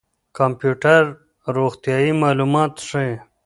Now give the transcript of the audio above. کمپيوټر روغتيايي معلومات ښيي.